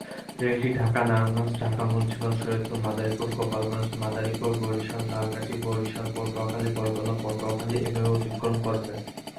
রেলপথটি ঢাকা-নারায়ণগঞ্জ-ঢাকা-মুন্সীগঞ্জ-শরীয়তপুর-মাদারীপুর-গোপালগঞ্জ-মাদারীপুর-বরিশাল-ঝালকাঠী-বরিশাল-পটুয়াখালী-বরগুনা-পটুয়াখালী এভাবে অতিক্রম করবে।